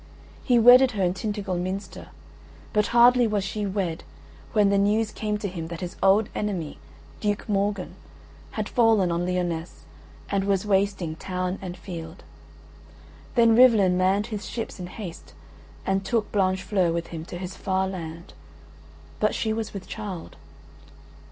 He wedded her in Tintagel Minster, but hardly was she wed when the news came to him that his old enemy Duke Morgan had fallen on Lyonesse and was wasting town and field. Then Rivalen manned his ships in haste, and took Blanchefleur with him to his far land; but she was with child.